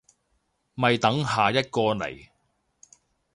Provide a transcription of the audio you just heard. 咪等下一個嚟